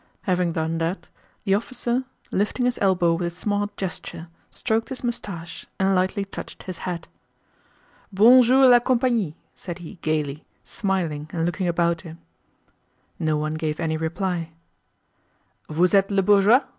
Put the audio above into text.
Having done that, the officer, lifting his elbow with a smart gesture, stroked his mustache and lightly touched his hat. "Bonjour, la compagnie!" * said he gaily, smiling and looking about him. * "Good day, everybody!" No one gave any reply. "Vous êtes le bourgeois?"